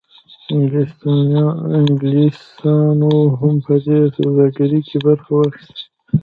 انګلیسانو هم په دې سوداګرۍ کې برخه واخیسته.